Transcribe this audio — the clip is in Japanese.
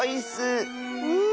うん。